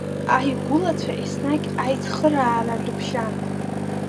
Аигәылацәа еснагь аицхыраара рыбжьан…